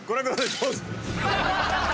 どうぞ。